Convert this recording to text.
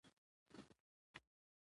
دوهم مطلب : د شورا اصل